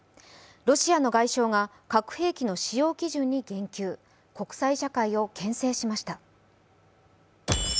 ロシアの外相が核兵器の使用基準に言及、国際社会をけん制しました。